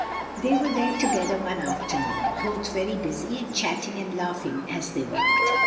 They were there together one afternoon, both very busy and chatting and laughing as they worked.